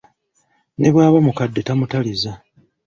Ne bw’aba mukadde tamutaliza!